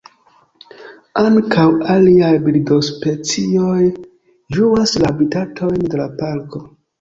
Ankaŭ aliaj birdospecioj ĝuas la habitatojn de la parko.